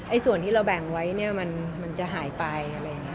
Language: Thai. ส่วนที่เราแบ่งไว้เนี่ยมันจะหายไปอะไรอย่างนี้